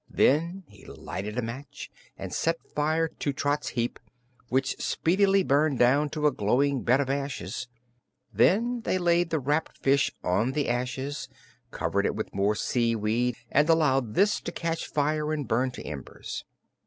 Then he lighted a match and set fire to Trot's heap, which speedily burned down to a glowing bed of ashes. Then they laid the wrapped fish on the ashes, covered it with more seaweed, and allowed this to catch fire and burn to embers.